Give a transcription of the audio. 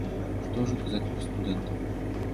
Што ўжо казаць пра студэнтаў!